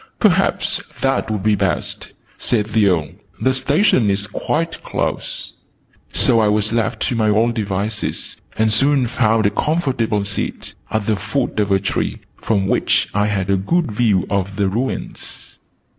"Perhaps that would be best," said the Earl. "The Station is quite close." So I was left to my own devices, and soon found a comfortable seat, at the foot of a tree, from which I had a good view of the ruins.